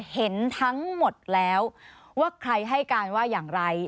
เห็นทั้งหมดแล้วว่าใครให้การว่าอย่างไร